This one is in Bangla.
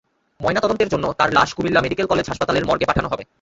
ময়নাতদন্তের জন্য তাঁর লাশ কুমিল্লা মেডিকেল কলেজ হাসপাতালের মর্গে পাঠানো হবে।